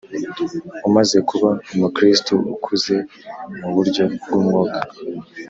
umaze kuba Umukristo ukuze mu buryo bw’umwuka